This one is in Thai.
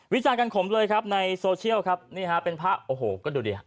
วิจารณ์กันขมเลยครับในโซเชียลครับนี่ฮะเป็นพระโอ้โหก็ดูดิ